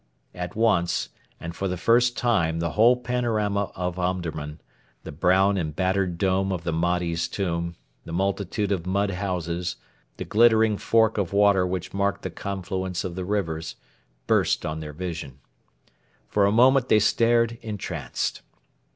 At once and for the first time the whole panorama of Omdurman the brown and battered dome of the Mahdi's Tomb, the multitude of mud houses, the glittering fork of water which marked the confluence of the rivers burst on their vision. For a moment they stared entranced.